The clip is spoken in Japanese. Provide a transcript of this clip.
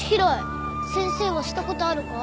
先生はしたことあるか？